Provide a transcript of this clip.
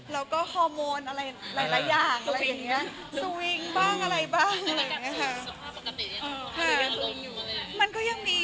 แล้วก็ฮอร์โมนอะไรหลายอย่างอะไรอย่างนี้